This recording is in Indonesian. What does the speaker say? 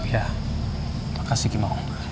ya makasih kimau